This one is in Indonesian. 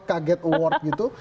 kaget award gitu